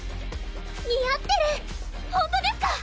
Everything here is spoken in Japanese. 似合ってるほんとですか？